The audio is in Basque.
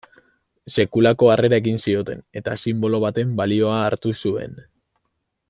Sekulako harrera egin zioten, eta sinbolo baten balioa hartu zuen.